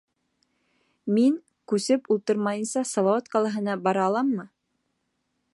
Мин күсеп ултырмайынса Салауат ҡалаһына бара аламмы?